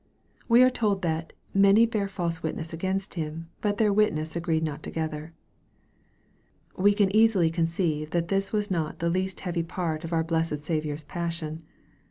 We are told that " many bare false witness against Him ; but their wit ness agreed not together." We can easily conceive that this was not the least heavy part of our blessed Saviour's passion.